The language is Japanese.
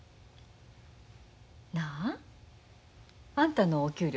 なああんたのお給料